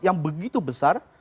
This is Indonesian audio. yang begitu besar